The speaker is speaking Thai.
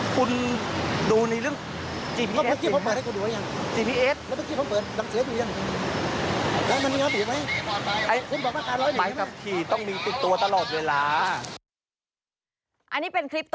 คุณเอาหลักฐานมายืนนี่ครับ